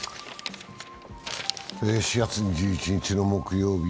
４月２１日木曜日。